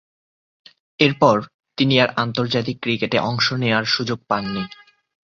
এরপর, তিনি আর আন্তর্জাতিক ক্রিকেটে অংশ নেয়ার সুযোগ পাননি।